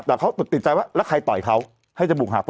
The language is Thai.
แต่เขาติดใจว่าแล้วใครต่อยเขา